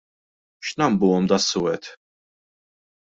X'nambuhom das-suwed?